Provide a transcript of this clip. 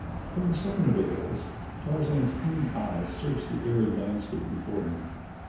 From the summit of the hills Tarzan's keen eyes searched the arid landscape before him.